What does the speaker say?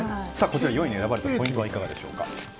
こちら、４位に選ばれたポイントはいかがでしょうか。